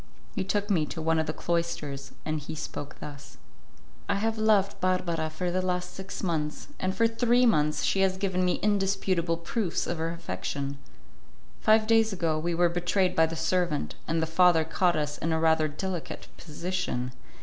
He took me to one of the cloisters, and he spoke thus: "I have loved Barbara for the last six months, and for three months she has given me indisputable proofs of her affection. Five days ago, we were betrayed by the servant, and the father caught us in a rather delicate position.